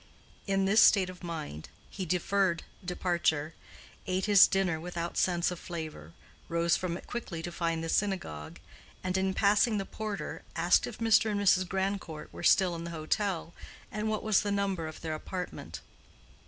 In this state of mind he deferred departure, ate his dinner without sense of flavor, rose from it quickly to find the synagogue, and in passing the porter asked if Mr. and Mrs. Grandcourt were still in the hotel, and what was the number of their apartment.